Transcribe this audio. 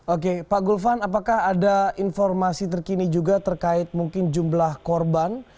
oke pak gulvan apakah ada informasi terkini juga terkait mungkin jumlah korban